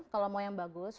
kalau mau yang bagus